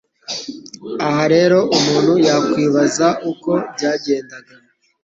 Aha rero umuntu yakwibaza uko byagendaga